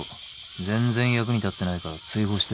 全然役に立ってないから追放して。